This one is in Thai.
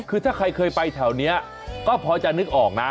คือถ้าใครเคยไปแถวนี้ก็พอจะนึกออกนะ